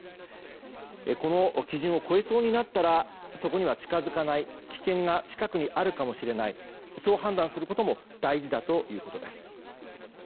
この基準を超えそうになったらそこには近づかない危険が近くにあるかもしれないそう判断することも大事だということです。